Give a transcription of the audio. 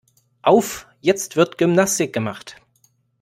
Auf, jetzt wird Gymnastik gemacht.